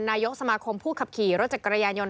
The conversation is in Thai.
นายกสมาคมผู้ขับขี่รถจักรยานยนต